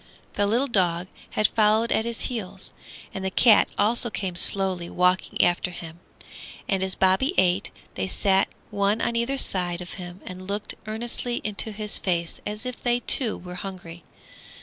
The little dog had followed at his heels, and the cat also came slowly walking after him, and as Bobby ate, they sat one on either side of him and looked earnestly into his face as if they too were hungry.